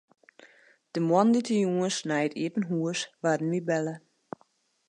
De moandeitejûns nei it iepen hûs waarden wy belle.